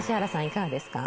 いかがですか？